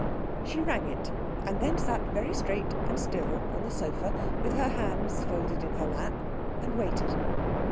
She rang it, and then sat very straight and still on the sofa with her hands folded in her lap, and waited.